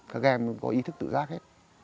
các em có ý thức tự rác hết